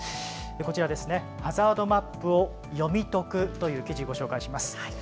こちらですね、ハザードマップを読み解くという記事、ご紹介します。